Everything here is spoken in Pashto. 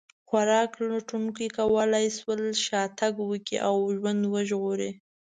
خوراک لټونکو کولی شول شا تګ وکړي او ژوند وژغوري.